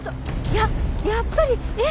ややっぱりえっ？